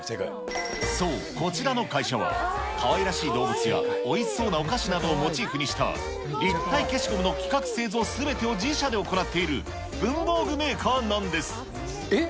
そう、こちらの会社は、かわいらしい動物やおいしそうなお菓子などをモチーフにした、立体消しゴムの企画・製造すべてを自社で行っている文房具メーカえっ？